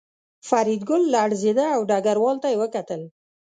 فریدګل لړزېده او ډګروال ته یې وکتل